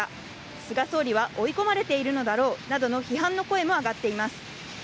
菅総理は追い込まれているのだろうなど批判の声が上がっています。